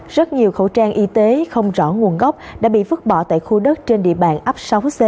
rất nhiều khẩu trang y tế không rõ nguồn gốc đã bị vứt bỏ tại khu đất trên địa bàn ấp sáu c